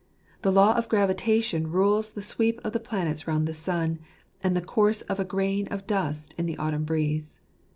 The law of gravitation rules the sweep of the planets round the sun, and the course of a grain of dust in the autumn breeze.